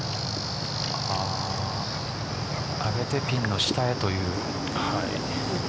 上げてピンの下へという。